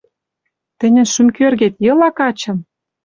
Тӹньӹн шӱм кӧргет йыла качын?..